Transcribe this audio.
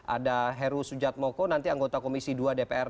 ada heru sujatmoko nanti anggota komisi dua dpr